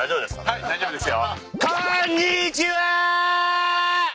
はい大丈夫ですよ。